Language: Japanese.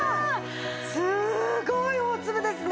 すごい大粒ですね！